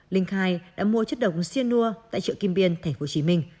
linh khai đã mua chất độc xia nùa tại chợ kim biên tp hcm